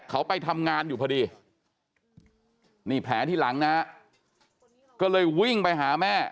เขาไปทำงานอยู่พอดีนี่แผลที่หลังนะฮะก็เลยวิ่งไปหาแม่